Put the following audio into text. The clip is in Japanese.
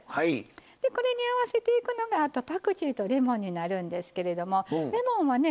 これに合わせていくのがあとパクチーとレモンになるんですけれどもレモンはね